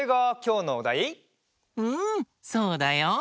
うんそうだよ。